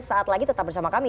sesaat lagi tetap bersama kami